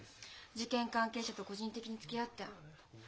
事件関係者と個人的につきあって。